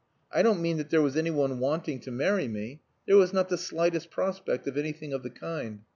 I don't mean that there was anyone wanting to marry me. There was not the slightest prospect of anything of the kind.